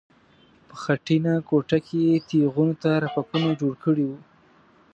په خټینه کوټه کې یې تیغونو ته رپکونه جوړ کړي وو.